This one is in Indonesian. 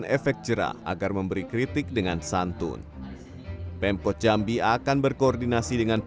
nah pokoknya kami langsung mengeluarkan klarifikasi minta maaf